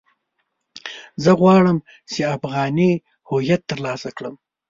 زه غواړم چې افغاني هويت ترلاسه کړم.